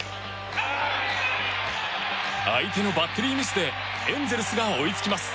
相手のバッテリーミスでエンゼルスが追い付きます。